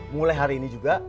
mulai hari ini juga